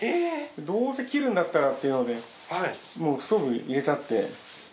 どうせ切るんだったらっていうのでもうストーブ入れちゃって。